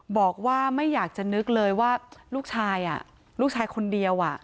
บอกว่าไม่อยากจะนึกเลยว่าลูกชายลูกชายคนเดียว